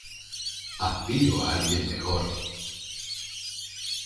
Aspiro a alguien mejor.